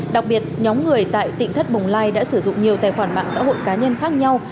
đặc biệt nhóm người tại tỉnh thất bồng lai đã sử dụng nhiều tài khoản mạng xã hội cá nhân khác nhau